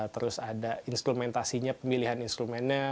terus ada instrumentasinya pemilihan instrumennya